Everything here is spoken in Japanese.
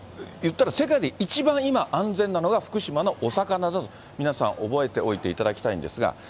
言ったら世界で一番安全なのが福島のお魚だと、皆さん覚えておいていただきたいんですが。